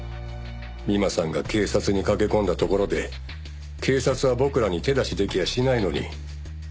美馬さんが警察に駆け込んだところで警察は僕らに手出しできやしないのに。